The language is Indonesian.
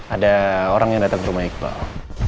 ada orang yang datang ke rumah iqbal